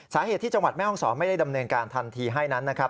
สาเหตุที่จังหวัดแม่ห้องศรไม่ได้ดำเนินการทันทีให้นั้นนะครับ